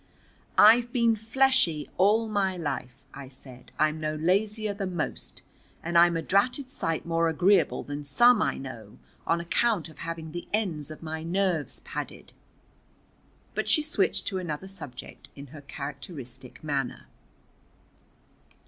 "I've been fleshy all my life," I said. "I'm no lazier than most, and I'm a dratted sight more agreeable than some I know, on account of having the ends of my nerves padded." But she switched to another subject in her characteristic manner.